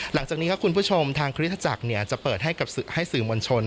หลังจากนี้ครับคุณผู้ชมทางคริสตจักรจะเปิดให้สื่อมวลชน